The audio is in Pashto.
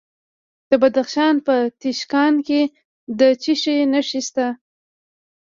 د بدخشان په تیشکان کې د څه شي نښې دي؟